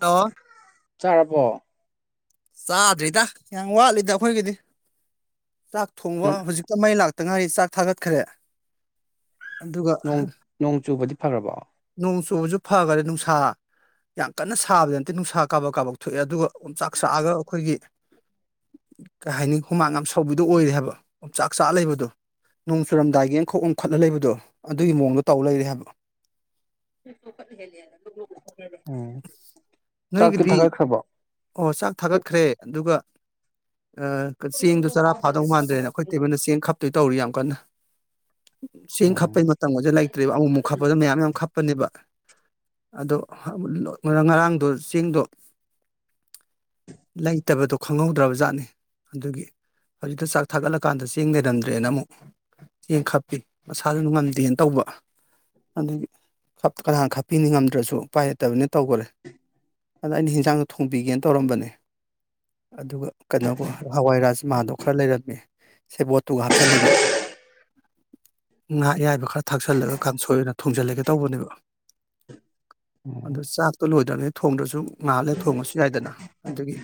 hello ꯆꯥꯔꯔꯕꯣ ꯆꯥꯗ꯭ꯔꯤꯗ ꯌꯥꯝ ꯋꯥꯠꯂꯤꯗ ꯑꯩꯈꯣꯏꯒꯤꯗꯤ ꯆꯥꯛ ꯊꯣꯡꯕ ꯎꯝ ꯍꯧꯖꯤꯛꯇ ꯃꯩ ꯂꯥꯛꯇ ꯇꯉꯥꯏꯔꯤ ꯆꯥꯛ ꯊꯥꯒꯠꯈ꯭ꯔꯦ ꯑꯗꯨꯒ ꯅꯣꯡ ꯆꯨꯕꯗꯤ ꯐꯕꯣ ꯅꯣꯡ ꯆꯨꯕꯁꯨ ꯐꯈꯔꯦ ꯅꯨꯡꯁꯥ ꯌꯥꯝ ꯀꯟꯅ ꯁꯥꯕꯗꯤ ꯅꯠꯇꯦ ꯅꯨꯡꯁꯥ ꯀꯥꯕꯛ ꯀꯥꯕꯛ ꯊꯣꯛꯑꯦ ꯑꯗꯨꯒ ꯑꯗꯨꯆꯥꯛ ꯁꯥꯛꯑꯒ ꯑꯩꯈꯣꯏꯒꯤ [unintelligible] ꯀꯩ ꯍꯥꯏꯅꯤ ꯍꯨꯃꯥꯡ ꯌꯥꯝ ꯁꯧꯕꯤꯗꯣ ꯑꯣꯏꯔꯦ ꯍꯥꯏꯕ ꯌꯣꯡꯆꯥꯛ ꯆꯥ ꯂꯩꯕꯗꯣ ꯅꯣꯡ ꯆꯨꯔꯝꯗꯥꯏꯒꯤ ꯑꯃꯪꯈꯣꯛ ꯑꯃꯈꯠꯂ ꯂꯩꯕꯗꯣ ꯑꯗꯨꯒꯤ ꯃꯑꯣꯡꯗꯣ ꯇꯧ ꯂꯩꯔꯦ ꯍꯥꯏꯕ [unintelligible] ꯆꯥꯛꯇꯤ ꯅꯣꯏꯒꯤꯗꯤ ꯊꯥꯒꯠꯈ꯭ꯔꯕꯣ ꯑꯣ ꯆꯥꯛ ꯊꯥꯒꯠꯈ꯭ꯔꯦ ꯑꯗꯨꯒ ꯆꯦꯡꯗꯣ ꯆꯔꯥ ꯐꯥꯗꯧ ꯃꯥꯟꯗ꯭ꯔꯦꯅ ꯑꯩꯈꯣꯏ ꯇꯦꯕꯜꯗ ꯆꯦꯡ ꯈꯞꯇꯣꯏ ꯇꯧꯔꯤ ꯌꯥꯝ ꯀꯟꯅ ꯆꯦꯡ ꯎꯝ ꯈꯞꯄꯩ ꯃꯇꯝꯒꯗ ꯂꯩꯇ꯭ꯔꯦꯕ ꯑꯃꯨꯃꯨꯛ ꯈꯞꯄꯗ ꯃꯌꯥꯝ ꯌꯥꯝ ꯈꯞꯄꯅꯦꯕ ꯑꯗꯣ ꯉꯔꯥꯡꯗꯣ ꯆꯦꯡꯗꯣ ꯂꯩꯇꯕꯗꯣ ꯈꯪꯍꯧꯗ꯭ꯔꯕ ꯖꯥꯠꯅꯤ ꯑꯗꯨꯒꯤ ꯍꯧꯖꯤꯛꯇ ꯆꯥꯛ ꯊꯥꯒꯠꯂꯀꯥꯟꯗ ꯆꯦꯡ ꯂꯩꯔꯝꯗ꯭ꯔꯦꯅ ꯑꯃꯨꯛ ꯆꯦꯡ ꯈꯞꯄꯤ ꯃꯁꯥꯁꯨꯅꯨꯡ ꯉꯝꯗꯦꯅ ꯇꯧꯕ ꯑꯗꯨꯗꯒꯤ ꯀ ꯈꯞꯄꯤꯅꯤ ꯉꯝꯗ꯭ꯔꯁꯨ ꯎꯄꯥꯏ ꯂꯩꯠꯇꯕꯅꯤ ꯇꯧꯈꯔꯦ ꯑꯗ ꯑꯩꯅ ꯍꯟꯖꯥꯡꯗ ꯊꯣꯡꯕꯤꯒꯦꯅ ꯇꯧꯔꯝꯕꯅꯦ ꯑꯗꯨꯒ ꯀꯩꯅꯣꯒ ꯍꯋꯥꯏꯔꯥꯖ ꯃꯥꯗꯣ ꯈꯔ ꯂꯩꯔꯝꯃꯤ ꯁꯦ ꯕꯣꯠꯇꯨꯒ ꯍꯥꯞꯆꯤꯜꯂꯒ ꯉꯥ ꯑꯌꯥꯏꯕ ꯈꯔ ꯊꯥꯛꯆꯜꯂꯒ ꯀꯥꯡꯁꯣꯏ ꯑꯣꯏꯅ ꯊꯣꯡꯖꯤꯜꯂꯒꯦ ꯇꯧꯕꯅꯦꯕ ꯑꯗꯨꯗ ꯎꯝ ꯆꯥꯛꯇꯣ ꯂꯣꯏꯗ꯭ꯔꯅꯤ ꯊꯣꯡꯗ꯭ꯔꯁꯨ ꯉꯥꯜꯂꯦ ꯊꯣꯡꯉꯁꯨ ꯌꯥꯏꯗꯅ ꯑꯗꯨꯗꯒꯤ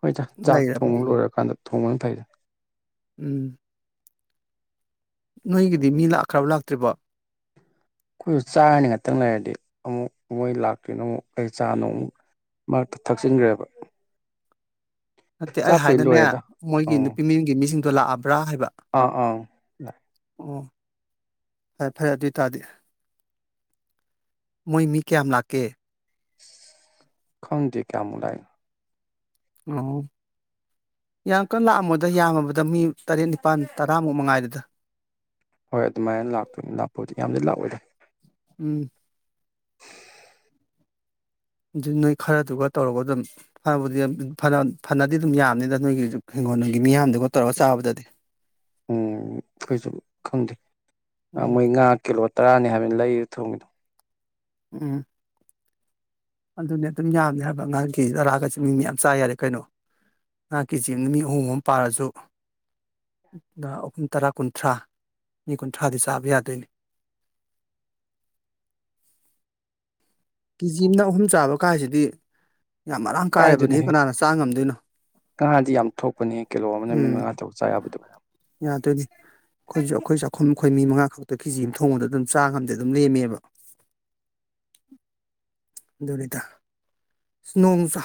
ꯍꯣꯏ ꯆꯥꯛ ꯊꯣꯡꯕ ꯂꯣꯏꯔꯀꯥꯟꯗ ꯊꯣꯡꯕꯅ ꯐꯩꯗꯅ ꯎꯝ ꯅꯣꯏꯒꯤꯗꯤ ꯃꯤ ꯂꯥꯛꯈ꯭ꯔꯕ ꯂꯥꯛꯇ꯭ꯔꯤꯕ ꯑꯩꯈꯣꯏꯁꯨ ꯆꯥꯔꯅꯤ ꯉꯥꯛꯇꯪ ꯂꯩꯔꯗꯤ ꯑꯃꯨꯛ ꯃꯣꯏ ꯂꯥꯛꯇꯣꯏꯅꯣ ꯑꯃꯨꯛ ꯀ ꯆꯥꯅꯣ ꯑꯃꯨꯛ ꯃꯔꯛꯇ ꯊꯛꯆꯤꯟꯈ꯭ꯔꯦꯕ ꯅꯠꯇꯦ ꯑꯩ ꯆꯥꯛꯄꯨꯗꯤ ꯍꯥꯏꯗꯅꯦ ꯂꯣꯏꯔꯦꯗ ꯃꯣꯏꯒꯤ ꯑꯪ ꯅꯨꯄꯤ ꯃꯤꯡꯒꯤ ꯃꯤꯁꯤꯡꯗꯣ ꯂꯥꯛꯑꯕ ꯔꯥ ꯍꯥꯏꯕ ꯑꯥ ꯑꯪ ꯑꯣ ꯐꯔꯦ ꯐꯔꯦ ꯑꯗꯨ ꯑꯣꯏ ꯇꯥꯔꯗꯤ ꯃꯣꯏ ꯃꯤ ꯀꯌꯥꯝ ꯂꯥꯛꯀꯦ ꯈꯟꯗꯤꯦ ꯀ ꯑꯃ ꯂꯥꯏꯟ ꯑ ꯌꯥꯝ ꯀꯟꯅ ꯂꯥꯛꯑꯝꯃꯣꯏꯗ ꯌꯥꯝꯃꯕꯗ ꯃꯤ ꯇꯔꯦꯠ ꯅꯤꯄꯥꯜ ꯇꯔꯥꯃꯨꯛ ꯃꯉꯥꯏꯗꯨꯗ ꯍꯣꯏ ꯑꯗꯨꯃꯥꯏꯅ ꯂꯥꯛꯇꯣꯏꯅꯤ ꯂꯥꯛꯄꯨꯗꯤ ꯌꯥꯝꯗꯤ ꯂꯥꯛꯑꯣꯏꯗꯦ ꯎꯝ ꯑꯗꯨ ꯅꯣꯏ ꯈꯔꯗꯨꯒ ꯇꯧꯔꯒ ꯑꯗꯨꯝ ꯐꯕꯨꯗꯤ ꯐꯅꯗꯤ ꯑꯗꯨꯝ ꯌꯥꯝꯅꯤꯅ ꯅꯣꯏꯒꯤ ꯅꯪꯉꯣ ꯅꯪꯒꯤ ꯃꯤꯌꯥꯝꯗꯨꯒ ꯇꯧꯔꯒ ꯆꯥꯕꯗꯗꯤ ꯎꯝ ꯀꯩꯁꯨ ꯈꯪꯗꯦ ꯎꯝ ꯃꯣꯏ ꯉꯥ ꯀꯤꯂꯣ ꯇꯔꯥꯅꯤ ꯍꯥꯏꯕꯅ ꯂꯩ ꯊꯣꯡꯉꯗꯣ ꯎꯝ ꯑꯗꯨꯅꯦ ꯑꯗꯨꯝ ꯌꯥꯝꯅꯦ ꯍꯥꯏꯕ ꯑꯉꯥꯡ ꯀ ꯇꯔꯥꯒꯁꯦ ꯃꯤꯡ ꯃ ꯌꯥꯝ ꯆꯥ ꯌꯥꯔꯦ ꯀꯩꯅꯣ ꯅꯍꯥꯛꯀꯤꯦꯆꯗ ꯃꯤ ꯑꯍꯨꯝ ꯑꯝ ꯄꯥꯔꯁꯨ ꯑꯍꯨꯝ ꯇꯔꯥ ꯀꯨꯟꯊ꯭ꯔꯥ ꯃꯤ ꯀꯨꯟꯊ꯭ꯔꯥꯗꯤ ꯆꯥꯕ ꯌꯥꯗꯣꯏꯅꯤ [unintelligible] ꯀꯦꯖꯤ ꯑꯃꯅ ꯑꯍꯨꯝ ꯆꯥꯕ ꯀꯥꯏꯁꯤꯗꯤ ꯌꯥꯝ ꯃꯔꯥꯡ ꯀꯥꯏꯔꯕꯗꯤ ꯍ ꯀꯥꯏꯗꯩꯅꯣꯍꯦ ꯀꯅꯥꯅ ꯆꯥ ꯉꯝꯗꯣꯏꯅꯣ ꯉꯥꯗꯤ ꯌꯥꯝ ꯊꯣꯛꯄꯅꯦ ꯀꯤꯂꯣ ꯑꯃꯅ ꯃꯤꯠ ꯎꯝ ꯃꯉꯥ ꯇꯔꯨꯛ ꯆꯥ ꯌꯥꯕꯗꯨ ꯌꯥꯗꯣꯏꯅꯤ ꯑꯩꯈꯣꯏꯁꯨ ꯑꯩꯈꯣꯏ ꯆꯥꯛꯈꯨꯝ ꯑꯩꯈꯣꯏ ꯃꯤ ꯃꯉꯥ ꯈꯛꯇ ꯀꯦꯖꯤ ꯑꯃ ꯊꯣꯡꯕꯗ ꯑꯗꯨꯝ ꯆꯥꯝꯗ ꯑꯗꯨꯝ ꯂꯦꯝꯃꯦꯕ ꯑꯗꯨꯅꯤꯗ ꯑꯁ ꯅꯣꯡꯁꯨ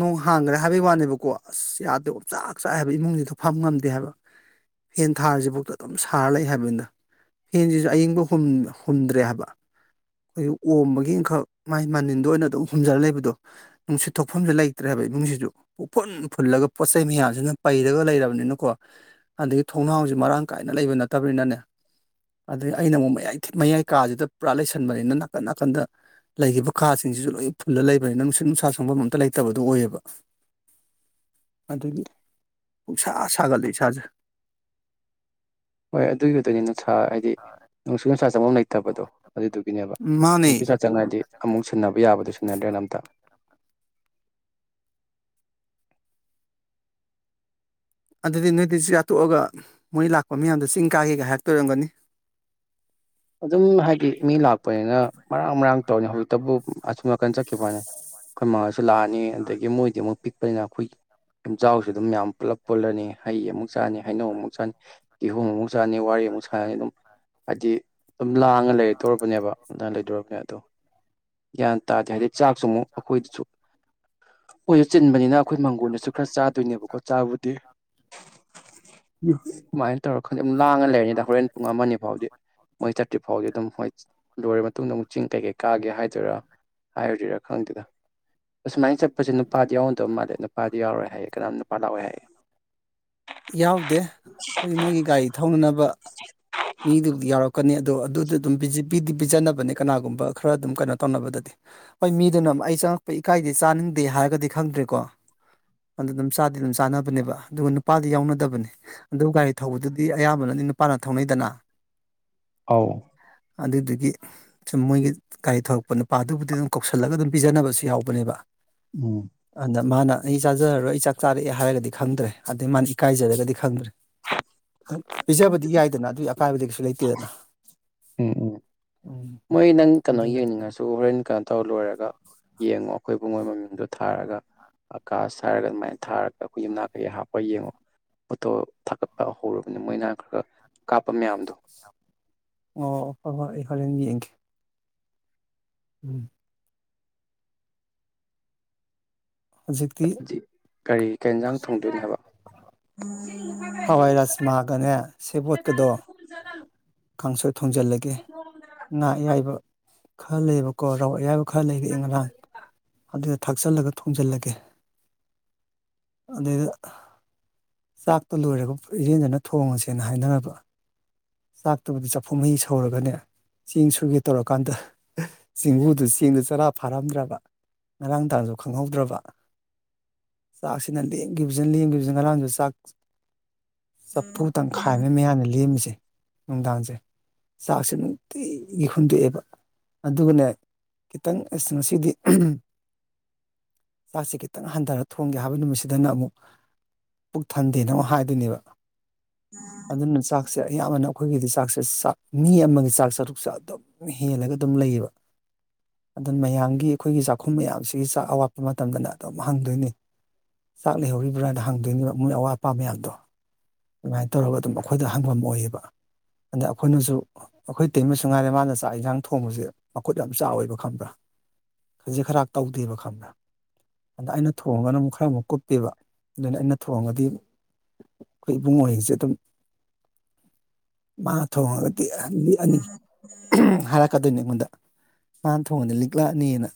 ꯅꯣꯡ ꯍꯥꯡꯈ꯭ꯔꯦ ꯍꯥꯏꯕꯒꯤ ꯋꯥꯅꯦꯕꯀꯣ ꯑꯁ ꯌꯥꯗꯦ ꯑꯣ ꯆꯥꯛ ꯆꯥꯏ ꯍꯥꯏꯕ ꯏꯃꯨꯡ ꯐꯝ ꯉꯝꯗꯦ ꯍꯥꯏꯕ ꯐꯦꯟ ꯊꯥꯔꯤꯁꯤꯐꯥꯎꯗ ꯑꯗꯨꯝ ꯁꯥꯔ ꯂꯩ ꯍꯥꯏꯕꯅꯤꯅ ꯐꯦꯟꯁꯤꯁꯨ ꯑꯏꯤꯡꯕ ꯍꯨꯝꯗ꯭ꯔꯦ ꯍꯥꯏꯕ ꯑꯩꯈ ꯑꯣꯝꯕꯒꯤ ꯡꯈꯛ ꯃꯥꯏ ꯃꯅꯤꯟꯗ ꯑꯣꯏꯅ ꯑꯗꯨꯝ ꯍꯨꯝꯖꯔ ꯂꯩꯕꯗꯣ ꯅꯨꯡꯁꯤꯠ ꯊꯣꯛꯐꯝꯁꯨ ꯂꯩꯇ꯭ꯔꯦ ꯍꯥꯏꯕ ꯏꯃꯨꯡꯁꯤꯗꯨ ꯐꯨꯜꯂꯒ ꯄꯣꯠ ꯆꯩꯩ ꯃꯌꯥꯝꯁꯤꯅ ꯄꯩꯔꯒ ꯂꯩꯔꯕꯅꯤꯅꯀꯣ ꯑꯗꯒꯤ ꯊꯣꯡꯅꯥꯎꯁ ꯃꯔꯥꯡ ꯀꯥꯏꯅ ꯂꯩꯕ ꯅꯠꯇ ꯐꯠꯇꯕꯅꯤꯅꯅꯦ ꯑꯗꯗꯒꯤ ꯑꯩꯅ ꯑꯃꯨꯛꯌꯥꯏ ꯃꯌꯥꯏ ꯀꯥꯁꯤꯗ ꯄꯨꯔꯥ ꯂꯩꯁꯟꯕꯅꯤꯅ ꯅꯥꯀꯟ ꯅꯥꯀꯟꯗ ꯂꯩꯈꯤꯕ ꯈꯥꯁꯤꯡꯁꯤꯁꯨ ꯂꯣꯏ ꯐꯨꯜꯂ ꯂꯩꯕꯅꯤꯅ ꯅꯨꯡꯁꯤꯠ ꯅꯨꯡꯁꯥ ꯁꯪꯐꯝ ꯑꯝꯇ ꯂꯩꯇꯕꯗꯨꯣ ꯑꯣꯏꯌꯦꯕ [unintelligible] ꯑꯗꯒꯤ ꯎꯁꯥ ꯁꯥꯒꯜꯂꯤ ꯏꯁꯥꯁꯦ ꯍꯣꯏ ꯑꯗꯨꯒꯤꯗꯨꯅꯤ ꯅꯅꯨꯡꯁꯥ ꯍꯥꯏꯗꯤ ꯅꯨꯡꯁꯨ ꯅꯨꯡꯁꯥ ꯆꯪꯐꯝꯝ ꯂꯩꯇꯕꯗꯣ ꯑꯗꯨꯗꯨꯒꯤꯅꯦꯕ ꯃꯥꯅꯦ ꯅꯨꯄꯤꯁ ꯆꯪꯉꯗꯤ ꯑꯃꯨꯛ ꯁꯤꯟꯅꯕ ꯌꯥꯕꯗꯣ ꯁꯤꯟꯅꯗ꯭ꯔꯦꯅ ꯑꯝꯇ ꯑꯗꯨꯗꯤ ꯅꯣꯏꯗ ꯆꯌꯥꯥꯠꯇꯣꯛꯑꯒ ꯃꯣꯏ ꯂꯥꯛꯄ ꯃꯌꯥꯝꯗꯣ ꯆꯤꯡ ꯀꯥꯒꯦꯒꯥꯏꯥꯛꯇꯣꯏꯔꯝꯒꯅꯤ [unintelligible] ꯑꯗꯨꯝ ꯍꯥꯏꯗꯤ ꯃꯤ ꯂꯥꯛꯄꯅꯤꯅ ꯃꯔꯥꯡ ꯃꯔꯥꯡ ꯇꯧꯅꯤ ꯍꯧꯖꯤꯛꯇꯕꯨ ꯑꯁꯨꯝ ꯑꯅꯥꯀꯟ ꯆꯠꯈꯤꯕꯅꯤ ꯑꯩꯈꯣꯏ ꯁꯨꯂꯥꯅꯤ ꯑꯗꯒꯤ ꯃꯣꯏꯗꯤ ꯑꯃꯨꯛ ꯄꯤꯛꯄꯅꯤꯅ ꯑꯩꯈꯣꯏ ꯌꯨꯝꯆꯥꯎꯁꯨ ꯑꯗꯨꯝ ꯌꯥꯝ ꯄꯨꯂꯞ ꯄꯨꯜꯂꯅꯤ ꯍꯩ ꯑꯃꯨꯛ ꯆꯥꯅꯤ ꯍꯩꯅꯧ ꯑꯃꯨꯛ ꯆꯥꯅꯤ ꯀꯤꯍꯣꯝ ꯑꯃꯨꯛ ꯆꯥꯅꯤ ꯋꯥꯔꯤ ꯑꯃꯨꯛ ꯁꯥꯦ ꯑꯗꯨꯝ ꯍꯥꯏꯕꯗꯤ ꯑꯗꯨꯝ ꯂꯥꯡꯉ ꯂꯩꯔꯗꯧꯔꯕꯅꯦꯕ ꯑꯗꯨꯅ ꯂꯩꯗꯧꯔꯕꯅꯦ ꯑꯗꯣ ꯒ꯭ꯌꯥꯟ ꯇꯥꯗꯦ ꯍꯥꯏꯗꯤ ꯆꯥꯛꯁꯨ ꯑꯃꯨꯛ ꯑꯩꯈꯣꯏꯗꯁꯨ ꯑꯣꯏ ꯆꯤꯟꯕꯅꯤꯅ ꯑꯩꯈꯣꯏ ꯃꯪꯒꯣꯟꯜꯗꯁꯨ ꯈꯔ ꯆꯥꯗꯣꯏꯅꯦꯕꯀꯣ ꯆꯥꯕꯨꯗꯤ ꯀꯃꯥꯏꯅ ꯇꯧꯔ ꯈꯪꯗꯦ ꯑꯗꯨꯝ ꯂꯥꯡꯉ ꯂꯩꯔꯅꯤꯗ ꯍꯣꯔꯦꯟ ꯄꯨꯡ ꯑꯃ ꯐꯥꯎꯗꯤ ꯊꯣꯏꯟ ꯊꯥꯔꯇꯤ ꯐꯥꯎꯒꯤ ꯑꯗꯨꯝ ꯍꯣꯏ ꯂꯣꯏꯔ ꯃꯇꯨꯡꯗ ꯑꯃꯨꯛ ꯆꯤꯡ ꯀꯩ ꯀꯩ ꯀꯥꯒꯦ ꯍꯥꯏꯗꯣꯏꯔꯥ ꯍꯥꯏꯔꯤꯔꯥ ꯈꯪꯗꯦꯗ ꯑꯁꯨꯃꯥꯏꯅ ꯆꯠꯄꯁꯦ ꯅꯨꯄꯥ ꯌꯥꯎꯟꯗꯧ ꯃꯥꯜꯂꯦ ꯅꯨꯄꯥꯗꯤ ꯌꯥꯎꯔꯣꯏ ꯍꯥꯏꯑꯦ ꯀꯅꯥꯝ ꯅꯨꯄꯥ ꯂꯥꯛꯑꯣꯦ ꯍꯥꯏꯑꯦ ꯌꯥꯎꯗꯦ ꯑꯩꯈꯣꯏ ꯃꯣꯏꯒꯤ ꯒꯥꯔꯤ ꯊꯧꯅꯅꯕ ꯃꯤꯗꯨꯕꯨ ꯌꯥꯎꯔꯛꯄ ꯀꯅꯤ ꯑꯗꯣ ꯑꯗꯨꯗ ꯑꯗꯨꯝ ꯄꯤꯖꯅꯕꯅꯦ ꯀꯅꯥꯒꯨꯝꯕ ꯈꯔ ꯑꯗꯨꯝ ꯀꯩꯅꯣ ꯇꯧꯅꯕꯗꯗꯤ ꯍꯣꯏ ꯃꯤꯗꯨꯅ ꯑꯩ ꯆꯪꯉꯛꯄ ꯏꯀꯥꯏꯗꯤ ꯆꯥꯅꯤꯡꯗꯦ ꯍꯥꯏꯔꯒꯗꯤ ꯈꯪꯗ꯭ꯔꯦꯀꯣ ꯑꯗꯨ ꯑꯗꯨꯝ ꯆꯥꯗꯤ ꯑꯗꯨꯝ ꯆꯥꯅꯕꯅꯦꯕ ꯑꯗꯨꯒ ꯅꯨꯄꯥꯗꯤ ꯌꯥꯎꯅꯗꯕꯅꯤ ꯑꯗꯨ ꯒꯥꯔꯤ ꯊꯧꯕꯗꯨꯗꯤ ꯑꯌꯥꯝꯕꯅ ꯑ ꯅꯨꯄꯥꯅ ꯊꯧꯅꯩꯗꯅ ꯑ ꯑꯗꯨꯗꯨꯒꯤ ꯁꯨꯝ ꯃꯣꯏꯒꯤ ꯒꯥꯔꯤ ꯊꯧꯂꯛꯄ ꯅꯨꯄꯥꯗꯨꯕꯨꯗꯤ ꯑꯗꯨꯝ ꯀꯧꯁꯜꯂꯒ ꯑꯗꯨꯝ ꯄꯤꯖꯅꯕꯁꯨ ꯌꯥꯎꯕꯅꯦꯕ ꯎꯝ ꯑꯗ ꯃꯥꯅ ꯑꯩ ꯆꯥꯖꯔꯔꯣꯏ ꯑꯩ ꯆꯥꯛ ꯆꯥꯔꯛꯑꯦ ꯍꯥꯏꯔꯒꯗꯤ ꯈꯪꯗ꯭ꯔꯦ ꯑꯗꯩ ꯃꯥꯅ ꯏꯀꯥꯏꯖꯔꯒꯗꯤ ꯈꯪꯗ꯭ꯔꯦ ꯄꯤꯖꯕꯗꯤ ꯌꯥꯏꯗꯅ ꯑꯗꯨꯒꯤ ꯑꯀꯥꯏꯕꯗꯤ ꯀꯩꯁꯨ ꯂꯩꯇꯦꯗꯅ ꯎꯝ ꯎꯝ ꯎꯝ ꯃꯣꯏ ꯅꯪ ꯀꯩꯅꯣ ꯑꯗꯨꯅꯅꯦ ꯌꯦꯡꯅꯤꯡꯉꯁꯨ ꯍꯣꯔꯦꯟ ꯀꯩꯅꯣ ꯇꯧꯔ ꯂꯣꯏꯔꯒ ꯌꯦꯡꯉꯣ ꯑꯩꯈꯣꯏꯕꯨꯨꯡ ꯃꯣꯏ ꯃꯃꯤꯨꯝꯗꯣ ꯊꯥꯔꯒ ꯑꯀꯥꯁ ꯍꯥꯏꯔꯒ ꯑꯗꯨꯃꯥꯏꯅ ꯊꯥꯔꯒ ꯑꯩꯈꯣꯏ ꯌꯨꯝꯅꯥꯛ ꯀꯩꯀꯩ ꯍꯥꯞꯄ ꯌꯦꯡꯉꯣ ꯐꯣꯇꯣ ꯊꯥꯒꯠꯄ ꯍꯧꯔꯕꯅꯤ ꯃꯣꯏꯅ ꯈꯔ ꯈ ꯀꯥꯞꯄ ꯃꯌꯥꯝꯗꯣ ꯑꯣ ꯐ ꯐ ꯑꯩ ꯍꯣꯔꯣꯔꯦꯟ ꯌꯦꯡꯒꯦ ꯎꯝ ꯍꯧꯖꯤꯛꯇꯤ ꯀꯔꯤ ꯀ ꯏꯟꯖꯥꯡ ꯊꯣꯡꯗꯣꯏꯅꯦ ꯍꯥꯏꯕ ꯍꯋꯥꯏ ꯔꯥꯖꯃꯥꯒꯅꯦ ꯁꯦꯕꯣꯠꯀꯗꯣ ꯀꯥꯡꯁꯣꯏ ꯊꯣꯡꯖꯤꯜꯂꯒꯦ ꯉꯥ ꯑꯌꯥꯏꯕ ꯈꯔ ꯂꯩꯕꯀꯣ ꯔꯧ ꯑꯌꯥꯕ ꯈꯔ ꯂꯩꯕ ꯏ ꯉꯔꯥꯡ ꯑꯗꯨꯗ ꯊꯥꯛꯆꯜꯂꯒ ꯊꯣꯖꯤꯜꯂꯒꯦ ꯑꯗꯨꯗꯩꯗ ꯆꯥꯛꯇ ꯂꯣꯏꯔꯒ ꯏꯔꯦꯟꯖꯅ ꯊꯣꯡꯉꯁꯦꯅ ꯍꯥꯏꯅꯅꯕ ꯆꯥꯛꯇꯕꯨꯗꯤ ꯆꯐꯨ ꯃꯍꯤ ꯁꯧꯔꯒꯅꯦ ꯆꯦꯡ ꯁꯨꯒꯦ ꯇꯧꯔꯀꯥꯟꯗ ꯆꯦꯡꯒꯨꯗꯨ ꯆꯦꯡꯗꯨ ꯆꯔꯥ ꯐꯥꯔꯝꯗ꯭ꯔꯕ ꯉꯔꯥꯡ ꯇꯥꯁꯨ ꯈꯪꯍꯧꯗ꯭ꯔꯕ ꯆꯥꯛꯁꯤꯅ ꯂꯦꯡꯁꯤ ꯂꯦꯡꯈꯤꯕꯁꯤꯟ ꯑꯍꯥꯟꯕꯥꯟꯕ ꯆꯥꯛ ꯆꯐꯨ ꯇꯪꯈꯥꯏꯅ ꯃꯌꯥꯝꯅ ꯂꯦꯝꯃꯤꯁꯦ ꯅꯨꯡꯗꯥꯡꯁꯦ ꯆꯥꯛꯁꯨ ꯅꯨꯡꯇꯤꯒꯤ ꯍꯨꯟꯗꯣꯛꯑꯦꯕ ꯑꯗꯨꯒꯅꯦ ꯈꯤꯇꯪ ꯑꯁ ꯉꯁꯤꯗꯤ ꯆꯥꯛꯁꯤꯦ ꯈꯤꯇꯪ ꯍꯟꯊꯔ ꯊꯣꯡꯒꯦ ꯍꯥꯏꯕ ꯅꯨꯃꯤꯠꯁꯤꯗꯅ ꯑꯃꯨꯛ ꯄꯨꯛ ꯊꯟꯗꯦꯅ ꯑꯃ ꯍꯥꯏꯗꯣꯏꯅꯦꯕ ꯑꯗꯨꯅ ꯆꯥꯛꯁꯦ ꯑꯌꯥꯝꯕꯅ ꯑꯩꯈꯣꯏꯒꯤꯗꯤ ꯆꯥꯛꯁꯦ ꯆꯥꯛ ꯃꯤ ꯑꯃꯒꯤ ꯆꯥꯛ ꯆꯔꯨꯛꯁꯦ ꯑꯗꯨꯝ ꯍꯦꯜꯂꯒ ꯑꯗꯨꯝ ꯂꯩꯌꯦꯕ ꯑꯗꯨꯅ ꯃꯌꯥꯝꯒꯤ ꯑꯩꯈꯣꯏꯒꯤ ꯆꯥꯛꯈꯨꯝ ꯃꯌꯥꯝꯁꯤꯒꯤ ꯆꯥꯛ ꯑꯋꯥꯠꯄ ꯃꯇꯝꯗꯅ ꯑꯗꯨꯝ ꯍꯪꯗꯣꯏꯅꯤ ꯆꯥꯛ ꯂꯩꯍꯧꯔꯤꯕ꯭ꯔꯥꯅ ꯍꯪꯗꯣꯏꯅꯦꯕ ꯃꯣꯏ ꯑꯋꯥꯠ ꯑꯄꯥ ꯃꯌꯥꯝꯗꯣ ꯑꯗꯨꯃꯥꯏꯅ ꯇꯧꯔꯒ ꯑꯗꯨꯝ ꯑꯩꯈꯣꯏꯗ ꯍꯪꯐꯝ ꯑꯣꯏꯌꯦꯕ ꯑꯗ ꯑꯩꯈꯣꯏꯅꯁꯨ ꯑꯩꯈꯣꯏ ꯇꯩꯃꯁꯨ ꯉꯥꯏꯔꯦ ꯃꯥꯅ ꯆꯥꯛ ꯌꯦꯟꯁꯥꯡ ꯊꯣꯡꯕꯁꯦ ꯃꯈꯨꯠ ꯌꯥꯝ ꯆꯥꯎꯋꯦꯕ ꯈꯪꯕ꯭ꯔꯥ ꯈꯖꯤꯛ ꯈꯔ ꯇꯧꯗꯦꯕ ꯈꯪꯕ꯭ꯔꯥ ꯑꯗ ꯑꯩꯅ ꯊꯣꯡꯉꯅ ꯑꯃꯨꯛ ꯈꯔ ꯑꯃꯨꯛ ꯀꯨꯞ ꯆꯠꯇꯦꯕ ꯑꯗꯨꯅ ꯑꯩꯅ ꯊꯣꯡꯉꯗꯤ ꯑꯩꯈꯣꯏ ꯏꯕꯨꯡꯉꯁꯦ ꯑꯗꯨꯝ ꯃꯥꯅ ꯊꯣꯡꯉꯒ ꯑꯅꯤ ꯍꯥꯏꯔꯛꯀꯗꯣꯏꯅꯦ ꯑꯩꯉꯣꯟꯗ [unintelligible] ꯃꯥꯅ ꯊꯣꯡꯉꯗ ꯂꯤꯛꯂꯛꯑꯅꯤꯅ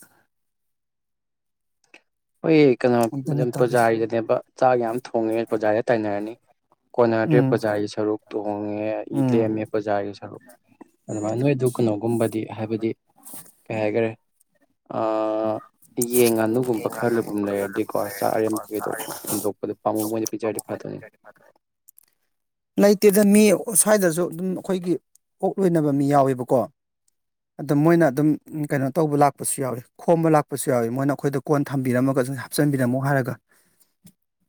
ꯍꯣꯏ ꯀꯩꯅꯣ ꯑꯗꯨꯅꯤ ꯑꯗꯨꯝ ꯇꯧꯔꯤꯁꯦ ꯄꯨꯕꯖꯥꯔꯤꯗꯅꯦꯕ ꯆꯥꯛ ꯌꯥꯝ ꯊꯣꯡꯉꯦ ꯕꯖꯥꯔꯤꯗ ꯇꯥꯏꯅꯔꯅꯤ ꯀꯣꯟꯅꯗ꯭ꯔꯦ ꯎꯝ ꯄꯨ꯭ꯔꯖꯥꯒꯤ ꯁꯔꯨꯛ ꯇꯣꯡꯉꯦ ꯑꯩ ꯎꯝ ꯂꯦꯝꯃꯦ ꯄꯨꯖꯥꯒꯤ ꯁꯔꯨꯛ ꯑꯗꯨꯃꯥꯏꯅ ꯅꯣꯏꯗꯨ ꯀꯩꯅꯣꯒꯨꯝꯕꯗꯤ ꯍꯥꯏꯕꯗꯤ ꯀꯩ ꯍꯥꯏꯈꯔꯦ ꯑ ꯌꯦꯟ ꯉꯥꯅꯨꯒꯨꯝꯕ ꯈꯔ ꯂꯣꯏꯕꯐꯝ ꯂꯩꯔꯗꯤꯀꯣ ꯆꯥꯛ ꯑꯔꯦꯝ ꯑꯃꯛꯩꯗꯣ ꯍꯨꯟꯗꯣꯛꯄꯗꯣ ꯄꯥꯝꯃꯣꯏ ꯑꯣꯏꯅ ꯄꯤꯖꯔꯗꯤ ꯐꯗꯣꯏꯅꯦ [unintelligible] ꯂꯩꯇꯦꯗ ꯃꯤ ꯁ꯭ꯋꯥꯏꯗꯁꯨ ꯑꯗꯨꯝ ꯑꯩꯈꯣꯏꯒꯤ ꯑꯣꯛ ꯂꯣꯏꯅꯕ ꯃꯤ ꯌꯥꯎꯋꯦꯕꯀꯣ ꯑꯗꯨ ꯃꯣꯏꯅ ꯑꯗꯨꯝ ꯀꯩꯅꯣ ꯇꯧꯕ ꯂꯥꯛꯄꯁꯨ ꯌꯥꯎꯋꯤ ꯈꯣꯝꯕ ꯂꯥꯛꯄꯁꯨ ꯌꯥꯎꯏꯤ ꯃꯣꯏꯅ ꯑꯩꯈꯣꯏꯗ ꯀꯣꯟ ꯊꯝꯕꯤꯔꯝꯃꯒ ꯁꯨꯝ ꯍꯥꯞꯆꯤꯟꯕꯤꯔꯝꯃꯣ ꯍꯥꯏꯔꯒ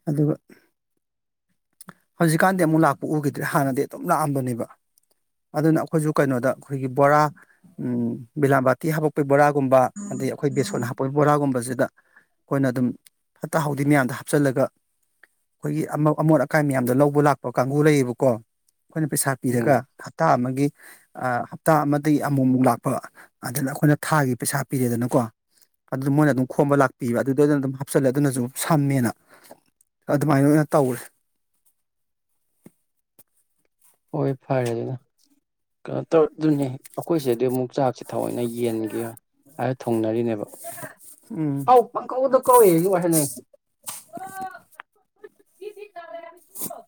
ꯑꯗꯨꯒ ꯍꯧꯖꯤꯛꯀꯥꯟꯗꯤ ꯑꯃꯨꯛ ꯂꯥꯛꯄ ꯎꯈꯤꯗ꯭ꯔꯦ ꯍꯥꯟꯅꯗꯤ ꯑꯗꯨꯝ ꯂꯥꯛꯑꯝꯕꯅꯦꯕ ꯑꯗꯨꯅ ꯑꯩꯈꯣꯏꯁꯨ ꯀꯩꯅꯣꯗ ꯑꯩꯈꯣꯏꯒꯤ ꯕꯣꯔꯥ ꯕꯤꯂꯥꯕꯥꯇꯤ ꯍꯥꯄꯛꯄꯩ ꯕꯣꯔꯥꯒꯨꯝꯕ ꯑꯗꯩ ꯑꯩꯈꯣꯏ ꯕꯦꯁꯣꯟ ꯍꯥꯞꯄꯩ ꯕꯣꯔꯥꯒꯨꯝꯕꯁꯤꯗ ꯑꯩꯈꯣꯏꯅ ꯑꯗꯨꯝ ꯐꯠꯇ ꯍꯥꯎꯊꯤ ꯃꯌꯥꯝꯗ ꯍꯥꯞꯆꯤꯜꯂꯒ ꯑꯩꯈꯣꯏꯒꯤ ꯑꯃꯣꯠ ꯑꯀꯥꯏ ꯃꯌꯥꯝꯗꯣ ꯂꯧꯕ ꯂꯥꯛꯄ ꯀꯥꯡꯒꯨ ꯂꯩꯌꯦꯕꯀꯣ ꯑꯩꯈꯣꯏꯅ ꯄꯩꯁꯥ ꯎꯝ ꯄꯤꯔꯒ ꯍꯞꯇꯥ ꯑꯃꯒꯤ ꯍꯞꯇꯥ ꯑꯃꯗꯒꯤ ꯑꯃꯨꯛꯃꯨꯛ ꯂꯥꯛꯄ ꯑꯗꯨꯅ ꯑꯩꯈꯣꯏꯅ ꯊꯥꯒꯤ ꯄꯩꯁꯥ ꯄꯤꯔꯦꯗꯅꯀꯣ ꯑꯗꯨꯗ ꯃꯣꯏꯅ ꯑꯗꯨꯝ ꯈꯣꯝꯕ ꯂꯥꯛꯄꯤꯕ ꯑꯗꯨꯗ ꯑꯗꯨꯅ ꯑꯗꯨꯝ ꯍꯥꯞꯆꯜꯂꯦ ꯑꯗꯨꯅꯁꯨ ꯁꯝꯃꯦꯅ ꯑꯗꯨꯃꯥꯏꯅ ꯑꯣꯏꯅ ꯇꯧꯔꯦ ꯍꯣꯏ ꯐꯔꯦ ꯑꯗꯨꯗꯥ ꯀꯩꯅꯣ ꯇꯧ ꯑꯗꯨꯅꯦ ꯑꯩꯈꯣꯏꯁꯤꯗꯗꯤ ꯑꯃꯨꯛ ꯆꯥꯛꯁꯦ ꯊꯑꯣꯏꯅ ꯌꯦꯟꯒꯦ ꯑ ꯊꯣꯡꯅꯔꯤꯅꯦꯕ ꯎꯝ ꯑꯥꯎ ꯄ ꯀꯧꯗ ꯀꯧꯁꯨ ꯋꯥꯁꯦ ꯅ ꯇꯁꯨꯣ [unintelligible]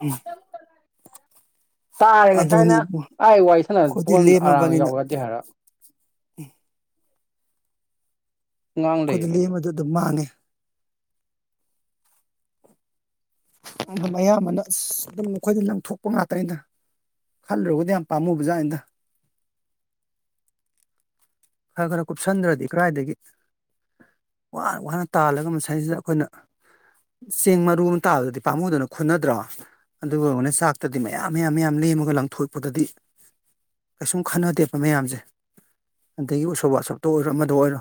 ꯎꯝ ꯇꯥꯔꯦ ꯉꯁꯥꯏꯅ ꯏꯕꯨꯡꯉꯣ ꯑꯩ ꯋꯥꯏ ꯁꯥꯟꯅ ꯄꯣ ꯑꯩꯈꯣꯏꯗꯤ ꯑꯔꯥꯡ ꯂꯦꯝꯃꯕꯅꯤꯅ ꯌꯥꯎꯔꯗꯦ ꯍꯥꯏꯔ ꯉꯥꯡ ꯈꯨꯗꯤ ꯂꯩꯌꯦ ꯃꯤꯗꯣ ꯂꯦꯝꯃꯗ ꯑꯗꯨꯝ ꯃꯥꯡꯉꯦ ꯑ ꯑꯌꯥꯝꯕꯅ ꯑꯁ ꯑꯗꯨꯝ ꯃꯈꯣꯏꯗ ꯂꯪꯊꯣꯛꯄ ꯉꯥꯛꯇꯅꯤꯅ ꯈꯜꯂꯨꯔꯒꯗꯤ ꯌꯥꯝ ꯄꯥꯝꯃꯨ ꯕꯖꯥꯟꯗ [inaudible] ꯈꯔ ꯈꯔ ꯀꯨꯞꯁꯟꯗ꯭ꯔꯗꯤ ꯀꯔꯥꯏꯗꯒꯤ ꯋꯥꯅ ꯋꯥꯅ ꯇꯥꯜꯂꯒ ꯃꯁꯥꯏꯁꯤꯗ ꯑꯩꯈꯣꯏꯅ ꯆꯦꯡ ꯃꯔꯨ ꯑꯃ ꯇꯥꯕꯗꯗꯤ ꯄꯥꯝꯃꯨꯗꯨꯅ ꯈꯨꯟꯅꯗ꯭ꯔꯣ ꯑꯗꯨꯒ ꯑꯩꯈꯅ ꯆꯥꯛꯇꯗꯤ ꯃꯌꯥꯝ ꯃꯌꯥꯝ ꯃꯌꯥꯝ ꯂꯦꯝꯃꯒ ꯂꯪꯊꯣꯛꯄꯗꯗꯤ ꯀꯩꯁꯨꯝ ꯈꯟꯅꯗꯦꯕ ꯃꯌꯥꯝꯁꯦ ꯑꯗꯒꯤ ꯎꯁꯣꯞꯕꯥ ꯑꯁꯣꯞꯇ ꯑꯣꯏꯔꯣ ꯑꯃꯗ ꯑꯣꯏꯔꯣ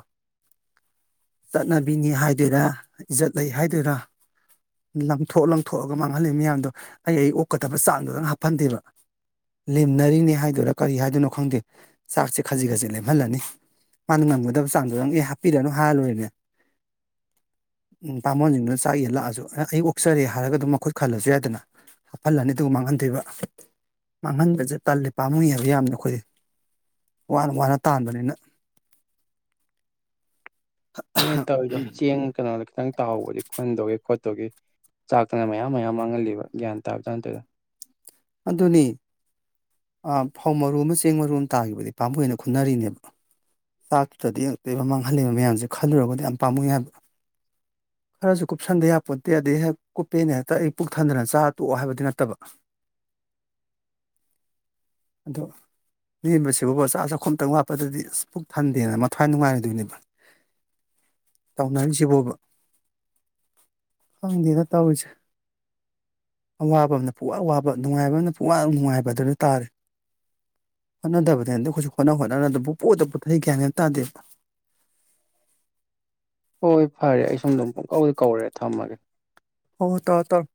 ꯆꯠꯅꯕꯤꯅꯤ ꯍꯥꯏꯗꯣꯏꯔꯥ ꯏꯖꯠ ꯂꯩ ꯍꯥꯏꯗꯣꯏꯔꯥ ꯂꯪꯊꯣꯛ ꯂꯪꯊꯣꯛꯑꯒ ꯃꯥꯡꯍꯜꯂꯤ ꯃꯌꯥꯝꯗꯣ ꯑꯩ ꯑꯩ ꯑꯣꯛꯀꯗꯕ ꯆꯥꯡꯗꯨꯗꯪ ꯍꯥꯞꯍꯟꯗꯦꯕ ꯂꯦꯝꯅꯔꯤꯅꯦ ꯍꯥꯏꯗꯨꯣꯏꯔꯥ ꯀꯔꯤ ꯍꯥꯏꯗꯣꯏꯅꯣ ꯈꯪꯗꯦ ꯆꯥꯛꯁꯦ ꯈꯖꯤꯛ ꯈꯖꯤꯛ ꯃꯥꯡꯍꯜꯂꯅꯤ ꯃꯥꯅ ꯉꯝꯒꯗꯕ ꯆꯥꯡꯗꯨꯣ ꯅꯪ ꯑꯦ ꯍꯥꯞꯄꯤꯔꯅꯨ ꯍꯥꯍꯜꯂꯣꯏꯔꯅꯦ ꯎ ꯄꯥꯃꯣꯟꯁꯤꯡꯗꯨꯅ ꯆꯥꯛ ꯌꯦ ꯂꯥꯛꯑꯁꯨ ꯑꯩ ꯑꯣꯛꯆꯔꯦ ꯍꯥꯏꯔꯒ ꯑꯗꯨꯝ ꯃꯈꯨꯠ ꯈꯜꯂꯁꯨ ꯌꯥꯏꯗꯅ ꯍꯥꯞꯍꯜꯂꯅꯤ ꯑꯗꯨꯒ ꯃꯥꯡꯍꯟꯗꯣꯏꯕ ꯃꯥꯡꯍꯟꯕꯁꯦ ꯇꯜꯂꯤꯦ ꯄꯥꯝꯃꯨ ꯍꯥꯏꯕ ꯌꯥꯝꯅ ꯑꯩꯈꯣꯏ ꯋꯥꯅ ꯋꯥꯅ ꯇꯥꯟꯕꯅꯤꯅ ꯑꯗꯨ ꯇꯧꯔꯤꯗꯣ ꯆꯦꯡ ꯀꯩꯅꯣꯗ ꯈꯤꯇꯪ ꯇꯥꯎꯍꯧꯕꯗꯤ ꯈꯟꯗꯧꯒꯦ ꯈꯣꯠꯇꯧꯒꯦ ꯆꯥꯛꯇꯅ ꯃꯌꯥꯝ ꯃꯌꯥꯝ ꯃꯥꯡꯍꯜꯂꯤꯕ ꯒ꯭ꯌꯥꯟ ꯇꯥꯕꯖꯥꯟꯗꯨꯗ ꯑꯗꯨꯅꯤ ꯑ ꯐꯧ ꯃꯔꯨ ꯑꯃ ꯆꯦꯡ ꯃꯔꯨ ꯑꯃ ꯇꯥꯒꯤꯈꯤꯕꯗꯤ ꯄꯥꯝꯕ ꯑꯣꯏꯅ ꯈꯨꯅꯔꯤꯅꯦꯕ ꯆꯥꯛꯇ꯭ꯔꯗꯤ ꯏꯉꯛꯇꯣꯏꯕ ꯃꯥꯡꯍꯜꯂꯤꯂꯛꯕ ꯃꯌꯥꯝꯁꯦ ꯈꯜꯂꯨꯔꯒꯗꯤ ꯌꯥꯝ ꯄꯥꯝꯃꯨꯏ ꯍꯥꯏꯕ [inaudible] ꯈꯔꯁꯨ ꯀꯨꯞꯁꯟꯗꯦ ꯍꯥꯏꯄꯣꯠꯇꯦ ꯑꯗꯩ ꯍꯦꯛ ꯀꯨꯞꯄꯦꯅ ꯍꯦꯛꯇ ꯑꯩ ꯄꯨꯛ ꯊꯟꯗꯅ ꯆꯥ ꯇꯣꯛꯑꯣ ꯍꯥꯏꯕꯗꯤ ꯅꯠꯇꯕ [inaudible] ꯑꯗꯣ ꯂꯦꯝꯕꯁꯤꯕꯨꯕ ꯆꯥꯛ ꯆꯥꯛꯈꯣꯝ ꯑꯝꯇꯪ ꯋꯥꯠꯄꯗꯗꯤ ꯑꯁ ꯄꯨꯛ ꯊꯟꯗꯦꯅ ꯃꯊ꯭ꯋꯥꯏ ꯅꯨꯡꯉꯥꯏꯔꯗꯣꯏꯅꯦꯕ ꯇꯧꯅꯍꯟꯁꯤꯕꯣꯕ ꯈꯪꯗꯦꯗ ꯇꯧꯔꯤꯁꯦ ꯑꯋꯥꯕ ꯑꯃꯅ ꯄꯨ ꯋꯥ ꯋꯥꯕ ꯅꯨꯡꯉꯥꯏꯕꯅ ꯄꯨꯡ ꯋꯥ ꯅꯨꯡꯉꯥꯏꯕ ꯑꯗꯨꯗ ꯇꯥꯔꯦ ꯍꯣꯠꯅꯗꯕꯗ ꯍꯧꯖꯤꯛ ꯍꯣꯠꯅ ꯍꯣꯠꯅꯔ ꯄꯪ ꯄꯨꯗ ꯄꯨꯠꯊꯩ ꯒ‌꯭ꯌꯥꯟ ꯃꯦꯟ ꯇꯥꯗꯦ ꯍꯣꯏ ꯐꯔꯦ ꯑꯩ ꯁꯣꯝꯗꯣꯝ ꯄꯨꯡꯀꯧꯗ ꯀꯧꯔꯦ ꯊꯝꯃꯒꯦ ꯍꫭ ꯍꫭꯏ ꯇꯧꯔꫭ ꯇꯧꯔꫭ